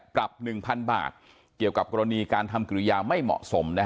ปรับ๑๐๐๐บาทเกี่ยวกับกรณีการทำกิริยาไม่เหมาะสม